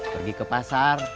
pergi ke pasar